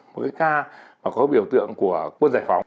một cái ca mà có biểu tượng của quân giải phóng